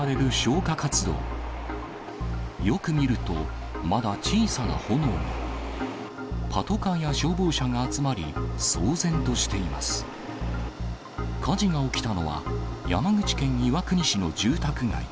火事が起きたのは、山口県岩国市の住宅街。